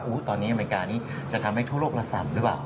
ตอนนี้อเมริกานี้จะทำให้ทั่วโลกละส่ำหรือเปล่า